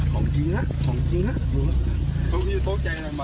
ของจริงฮะของจริงฮะ